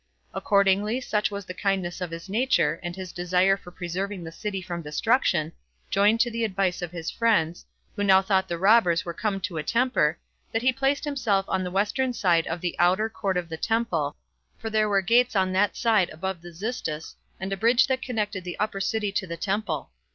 Accordingly, such was the kindness of his nature, and his desire of preserving the city from destruction, joined to the advice of his friends, who now thought the robbers were come to a temper, that he placed himself on the western side of the outer [court of the] temple; for there were gates on that side above the Xystus, and a bridge that connected the upper city to the temple.